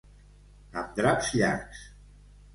Amb draps llargs.